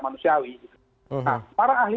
manusiawi para ahli